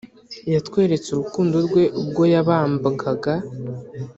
Yatweretse urukundo rwe ubwo yabambwaga